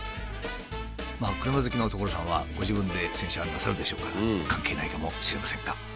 まあ車好きの所さんはご自分で洗車なさるでしょうから関係ないかもしれませんが。